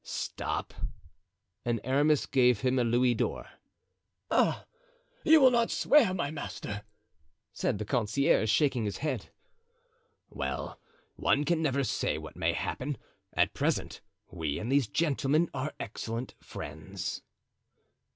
"Stop," and Aramis gave him a louis d'or. "Ah! you will not swear, my master," said the concierge, shaking his head. "Well, one can never say what may happen; at present we and these gentlemen are excellent friends."